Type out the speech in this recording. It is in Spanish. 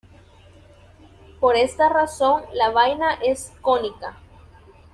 Por esta razón la vaina es cónica.